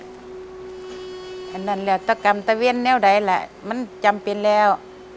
อันนั้นแหละตะกรรมตะเวียนแนวใดแหละมันจำเป็นแล้ว